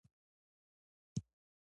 موږ باید د نورو حقوق ومنو.